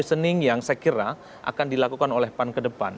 resining yang saya kira akan dilakukan oleh pan ke depan